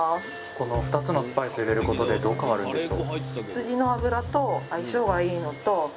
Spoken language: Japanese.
この２つのスパイスを入れることでどう変わるんでしょう？